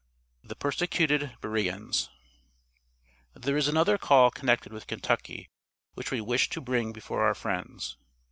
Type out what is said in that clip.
THE PERSECUTED BEREANS. There is another call connected with Kentucky, which we wish to bring before our friends.